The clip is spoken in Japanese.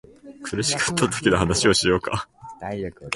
苦しかったときの話をしようか